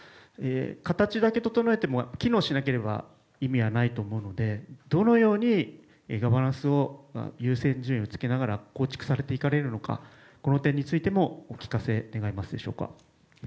形だけ整えても機能しなければ意味はないと思うのでどのようにガバナンスを優先順位をつけながら構築されていかれるのかこの点についてもお聞かせ願えますでしょうか。